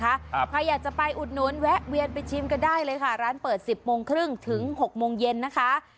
ใครอยากจะไปอุดหนุนแวะเวียนไปชิมกันได้เลยค่ะร้านเปิดสิบโมงครึ่งถึงหกโมงเย็นนะคะ